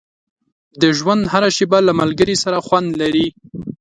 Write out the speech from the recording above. • د ژوند هره شېبه له ملګري سره خوند لري.